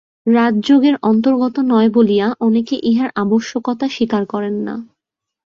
রাজযোগের অন্তর্গত নয় বলিয়া অনেকে ইহার আবশ্যকতা স্বীকার করেন না।